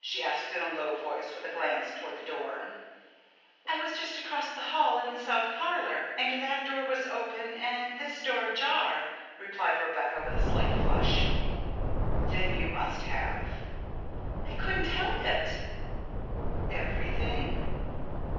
she asked in a low voice with a glance toward the door. "I was just across the hall in the south parlor, and that door was open and this door ajar," replied Rebecca with a slight flush. "Then you must have " "I couldn't help it." "Everything?"